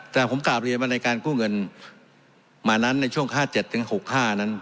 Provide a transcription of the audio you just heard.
แต่ผมกลับเรียนว่าในการกู้เงินมานั้นในช่วง๕๗๖๕นั้น